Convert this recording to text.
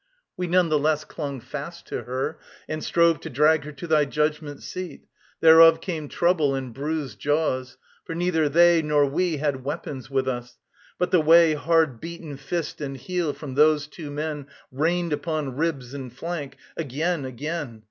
We none the less clung fast to her, and strove To drag her to thy judgment seat. Thereof Came trouble and bruised jaws. For neither they Nor we had weapons with us. But the way Hard beaten fist and heel from those two men Rained upon ribs and flank again, again...